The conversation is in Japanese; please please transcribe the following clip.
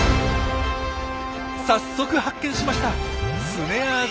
早速発見しました！